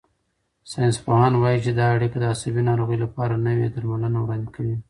ساینسپوهان وايي چې دا اړیکه د عصبي ناروغیو لپاره نوي درملنې وړاندې کوي.